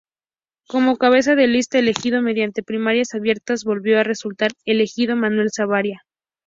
Como cabeza de lista elegido mediante primarias abiertas volvió a resultar elegido Manuel Saravia.